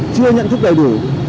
chưa nhận thức đầy đủ